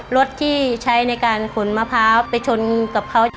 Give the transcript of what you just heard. รถที่ใช้ในการขนมะพร้าวไปชนกับเขา